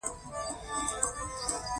زه ترې خوښ نه ووم